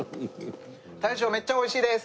大将めっちゃ美味しいです！